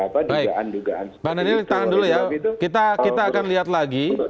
baik bang daniel kita akan lihat lagi